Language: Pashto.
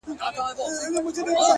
• څوك مي دي په زړه باندي لاس نه وهي؛